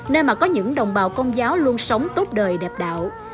nơi mà có những đồng bào công giáo luôn sống tốt đời đẹp đạo